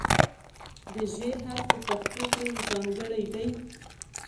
د "ژ" حرف په پښتو کې ځانګړی دی.